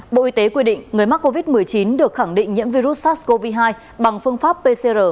bộ y tế quy định người mắc covid một mươi chín được khẳng định nhiễm virus sars cov hai bằng phương pháp pcr